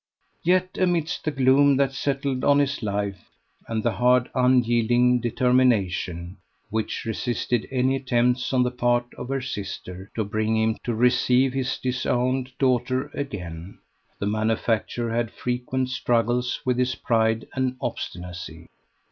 Yet amidst the gloom that settled on his life, and the hard unyielding determination which resisted any attempts on the part of her sister to bring him to receive his disowned daughter again, the manufacturer had frequent struggles with his pride and obstinacy.